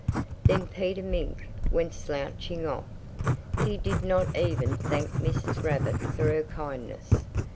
Then Peter Mink went slouching off. He did not even thank Mrs. Rabbit for her kindness.